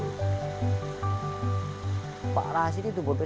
pertanyaan terakhir apakah perusahaan ini bisa dikembangkan